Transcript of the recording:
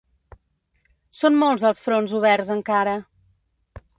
Són molts els fronts oberts encara.